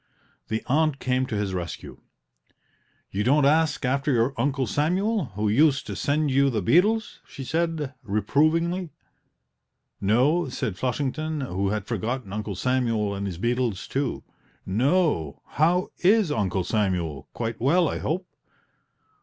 The aunt came to his rescue: "You don't ask after your Uncle Samuel, who used to send you the beetles?" she said, reprovingly. "No," said Flushington, who had forgotten Uncle Samuel and his beetles, too; "no, how is Uncle Samuel quite well, I hope?"